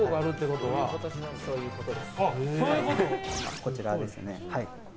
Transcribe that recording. こちらですね。